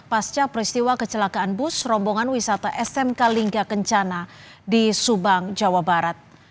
pasca peristiwa kecelakaan bus rombongan wisata smk lingga kencana di subang jawa barat